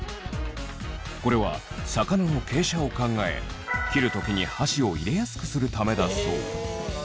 これは魚の傾斜を考え切る時に箸を入れやすくするためだそう。